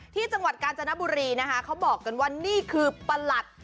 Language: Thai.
ที่จังหวัดกาญจนบุรีนะคะเขาบอกกันว่านี่คือประหลัด